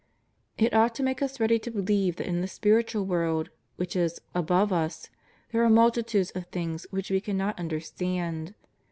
It ought to make us ready to believe that in the spiritual world which is above us, there are multitudes of things which we cannot understand.